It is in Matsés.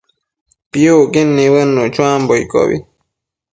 Piucquid nibëdnuc chuambo iccobi